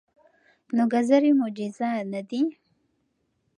نو ګازرې معجزه نه دي.